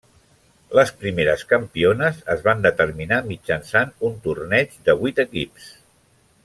Les primeres campiones es van determinar mitjançant un torneig de vuit equips.